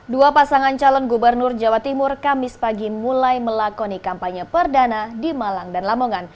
dua pasangan calon gubernur jawa timur kamis pagi mulai melakoni kampanye perdana di malang dan lamongan